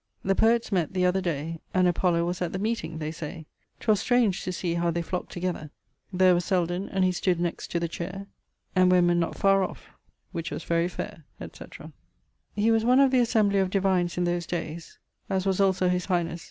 The poets met, the other day, And Apollo was at the meeting, they say, 'Twas strange to see how they flocked together: There was Selden, and he stood next to the chaire, And Wenman not far off, which was very faire, etc. He was one of the assembly of divines in those dayes (as was also his highnesse